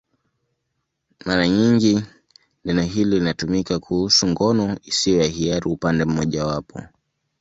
Mara nyingi neno hili linatumika kuhusu ngono isiyo ya hiari upande mmojawapo.